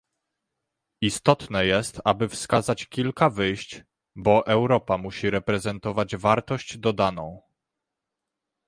Istotne jest, aby wskazać kilka wyjść, bo Europa musi reprezentować wartość dodaną